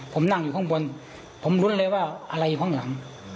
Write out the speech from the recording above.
ผมนั่งอยู่ข้างบนผมรุ้นเลยว่าอะไรอยู่ข้างหลัง